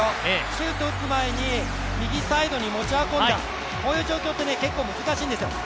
シュートを打つ前に右サイドに持ち運んだ、こういう状況って結構難しいんですよ。